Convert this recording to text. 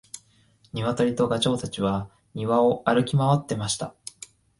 ニワトリとガチョウたちは庭を歩き回っていました。